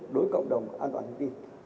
đối với cộng đồng an toàn thông tin